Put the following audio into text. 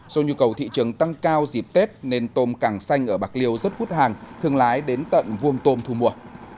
do nhu cầu thị trường tăng cao dịp tết nên tôm càng xanh ở bạc liêu rất hút hàng thương lái đến tận vuông tôm thu mua